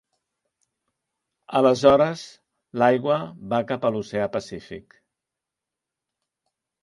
Aleshores, l'aigua va cap a l'oceà Pacífic.